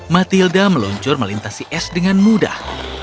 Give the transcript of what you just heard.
matilda meluncur melintasi es dengan mudah